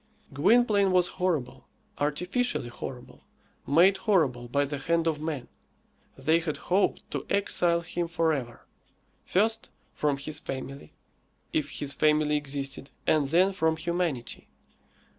Gwynplaine was horrible artificially horrible made horrible by the hand of man. They had hoped to exile him for ever: first, from his family, if his family existed, and then from humanity.